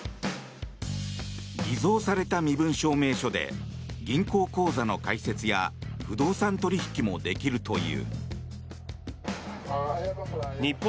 偽造された身分証明書で銀行口座の開設や不動産取引もできるという。